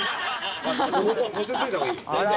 乗せといた方がいい。